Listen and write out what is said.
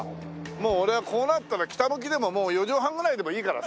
もう俺はこうなったら北向きでも４畳半ぐらいでもいいからさ。